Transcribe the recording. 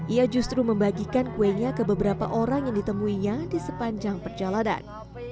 ia justru membagikan kuenya ke beberapa orang yang ditemuinya di sepanjang perjalanan